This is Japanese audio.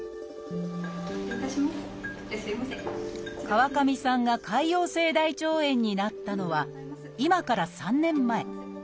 川上さんが潰瘍性大腸炎になったのは今から３年前。